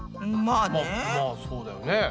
まあそうだよね。